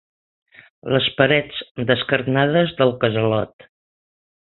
Les parets descarnades del casalot.